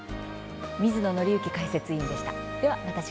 水野倫之解説委員でした。